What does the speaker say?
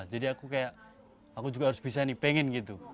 aku kayak aku juga harus bisa nih pengen gitu